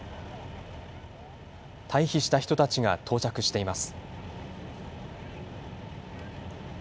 退避した人たちが到着しています。